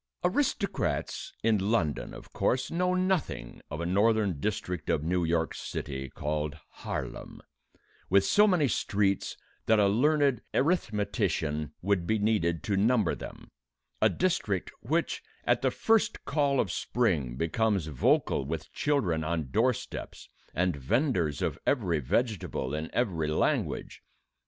Aristocrats in London, of course, know nothing of a northern district of New York City called Harlem, with so many streets that a learned arithmetician would be needed to number them: a district which, at the first call of spring, becomes vocal with children on door steps and venders of every vegetable in every language.